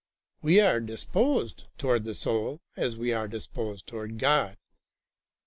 We are disposed toward the soul as we are disposed toward God.